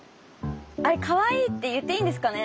あれかわいいって言っていいんですかね？